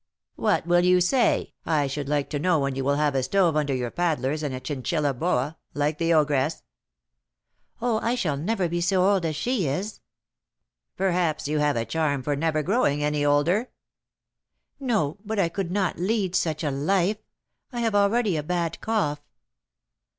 What will you say, I should like to know, when you will have a stove under your 'paddlers,' and a chinchilla boa, like the ogress?" "Oh, I shall never be so old as she is." "Perhaps you have a charm for never growing any older?" "No; but I could not lead such a life. I have already a bad cough."